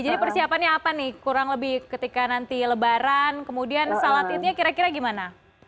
jadi persiapannya apa nih kurang lebih ketika nanti lebaran kemudian shalat itnya kira kira gimana